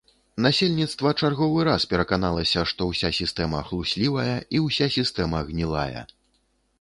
Насельніцтва чарговы раз пераканалася, што ўся сістэма хлуслівая і ўся сістэма гнілая.